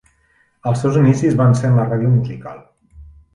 Els seus inicis van ser en la ràdio musical.